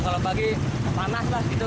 kalau pagi panas lah gitu